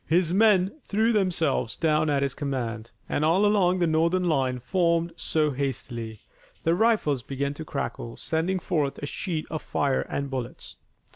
His men threw themselves down at his command, and, all along the Northern line formed so hastily, the rifles began to crackle, sending forth a sheet of fire and bullets.